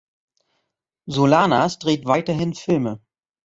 Solanas dreht weiterhin Filme.